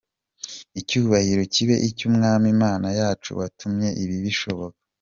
Icyubahiro kibe icy’umwami Imana yacu watumye ibi bishoboka.